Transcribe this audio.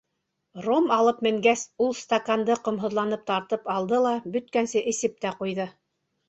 Ром алып менгәс, ул стаканды ҡомһоҙланып тартып алды ла бөткәнсе эсеп тә ҡуйҙы.